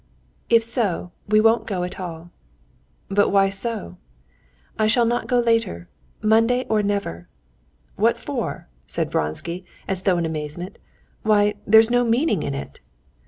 "If so, we won't go at all." "But why so?" "I shall not go later. Monday or never!" "What for?" said Vronsky, as though in amazement. "Why, there's no meaning in it!"